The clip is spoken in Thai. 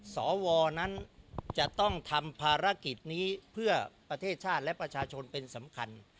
สวนั้นจะต้องทำภารกิจนี้เพื่อประเทศชาติและประชาชนเป็นสำคัญ